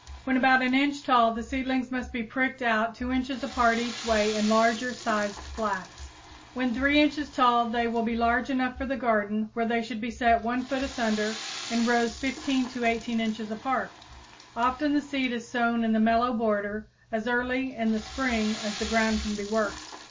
When about an inch tall, the seedlings must be pricked out 2 inches apart each way in larger sized flats. When 3 inches tall they will be large enough for the garden, where they should be set 1 foot asunder in rows 15 to 18 inches apart. Often the seed is sown in the mellow border as early in the spring as the ground can be worked.